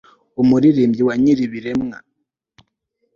umulirimbyi wa nyili-ibiremwa